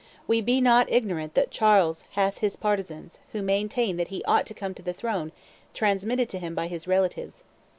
We be not ignorant that Charles hath his partisans, who maintain that he ought to come to the throne transmitted to him by his relatives.